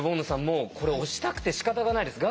もうこれ押したくてしかたがないです。